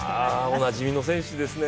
おなじみの選手ですね。